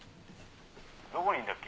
どこにいんだっけ？